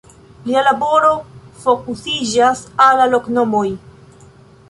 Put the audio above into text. Lia laboro fokusiĝas al la loknomoj.